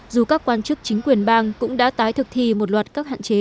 dù các quan chức chính quyền bang cũng đã tái thực thi một loạt các hạn chế